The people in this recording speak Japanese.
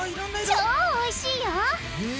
超おいしいよ！